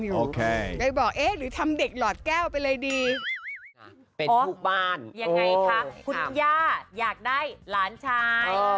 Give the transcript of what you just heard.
ยังไงคะคุณย่าอยากได้หลานชาย